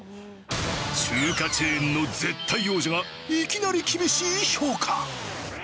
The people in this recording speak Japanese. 中華チェーンの絶対王者がいきなり厳しい評価。